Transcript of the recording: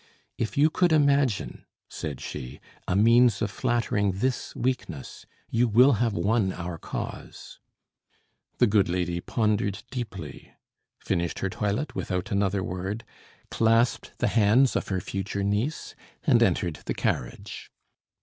"If you could imagine," said she, "a means of flattering this weakness, you will have won our cause." The good lady pondered deeply, finished her toilet without Another word, clasped the hands of her future niece, and entered the carriage.